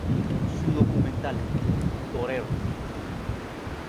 Su documental "¡Torero!